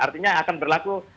artinya akan berlaku